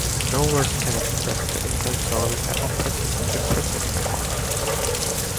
No words can express the intense sorrow that oppresses and depresses my heart.